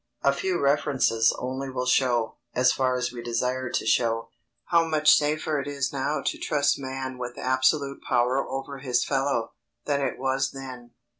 A few references only will show, as far as we desire to show, how much safer it is now to trust man with absolute power over his fellow, than it was then.